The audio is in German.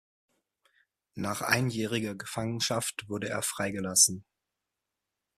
Nach einjähriger Gefangenschaft wurde er freigelassen.